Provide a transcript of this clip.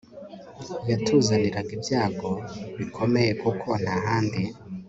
yatuzaniraga ibyago bikomeye kuko nta handi